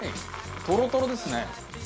トロトロですね。